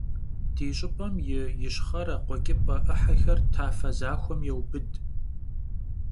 Di ş'ıp'em yi yişxhere, khueç'ıp'e 'ıhexer tafe zaxuem yêubıd.